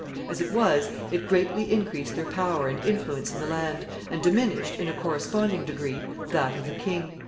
As it was, it greatly increased their power and influence in the land, and diminished, in a corresponding degree, that of the king.